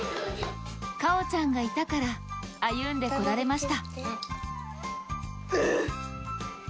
果緒ちゃんがいたから歩んでこられました。